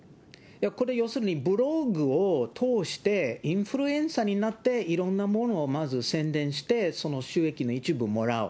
これ、要するにブログを通してインフルエンサーになって、いろんなものをまず宣伝して、その収益の一部をもらう。